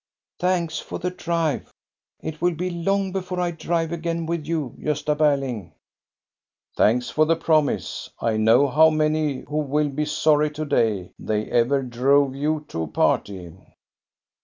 "Thanks for the drive! It will be long before I drive again with you, Gosta Berling." " Thanks for the promise ! I know many who will be sorry to day they ever drove you to a party."